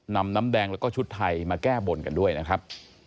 น้ำแดงแล้วก็ชุดไทยมาแก้บนกันด้วยนะครับ